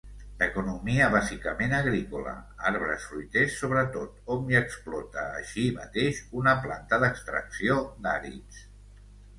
D'economia bàsicament agrícola, arbres fruiters sobretot, hom hi explota així mateix una planta d'extracció d'àrids.